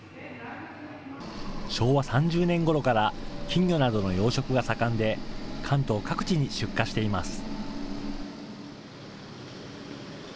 昭和３０年ごろから金魚などの養殖が盛んで関東各地に出荷しています。